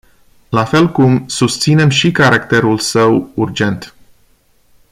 La fel cum susținem și caracterul său urgent.